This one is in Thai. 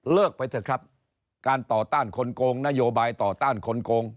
ไปเถอะครับการต่อต้านคนโกงนโยบายต่อต้านคนโกง